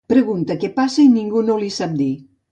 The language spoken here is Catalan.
Pregunta que què passa i ningú no li sap dir.